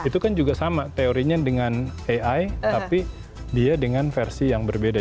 itu kan juga sama teorinya dengan ai tapi dia dengan versi yang berbeda